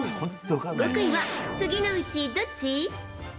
極意は次のうち、どっち？